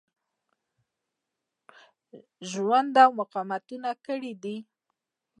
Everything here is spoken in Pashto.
ژوند او مقاومتونه کړي دي.